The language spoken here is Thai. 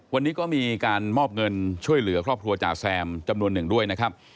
วันนี้ก็มีการมอบเงินช่วยเหลือครอบครัวจ่าแซมจำนวนหนึ่งด้วยนะครับ